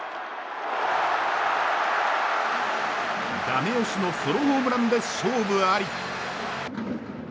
ダメ押しのソロホームランで勝負あり。